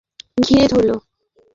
দুশ্চিন্তা তাঁকে ঘিরে ধরল।